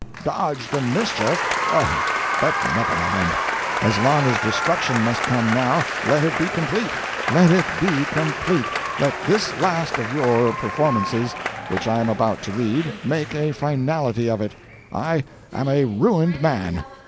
"Dodge the mischief! Oh! but never mind. As long as destruction must come now, let it be complete. Let it be complete let this last of your performances, which I am about to read, make a finality of it. I am a ruined man.